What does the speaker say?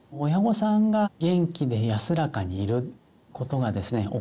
親御さんが元気で安らかにいることがですね